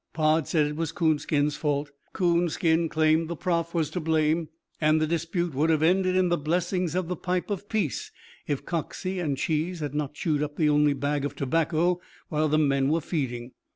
Pod said it was Coonskin's fault, Coonskin claimed the Prof. was to blame, and the dispute would have ended in the blessings of the pipe of peace if Coxey and Cheese had not chewed up the only bag of tobacco while the men were feeding.